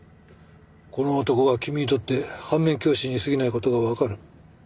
この男が君にとって反面教師に過ぎない事がわかる。